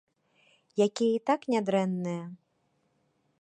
Якія і так нядрэнныя.